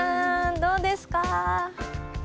どうですか？